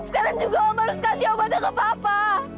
sekarang juga om harus kasih obatnya ke papa